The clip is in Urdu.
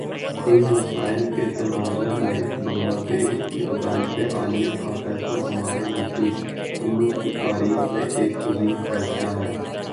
ان مسائل کے تناظر میں بنگلہ دیش کی عدالتِ عالیہ کا فیصلہ ہمارے نزدیک، امت کی تاریخ میں ایک عظیم فیصلہ ہے